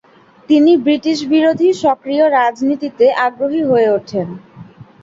তিনি ব্রিটিশবিরোধী সক্রিয় রাজনীতিতে আগ্রহী হয়ে ওঠেন।